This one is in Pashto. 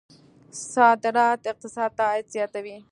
صادرات اقتصاد ته عاید زیاتوي.